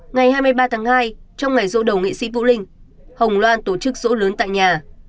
ngày hai mươi ba tháng hai trong ngày dỗ đầu nghệ sĩ vũ linh hồng loan tổ chức dỗ lớn tại nhà